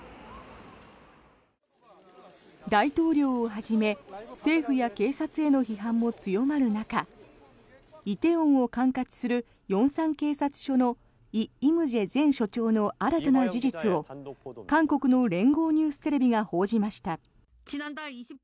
大統領をはじめ政府や警察への批判も強まる中梨泰院を管轄する龍山警察署のイ・イムジェ前署長の新たな事実を韓国の連合ニューステレビが報じました。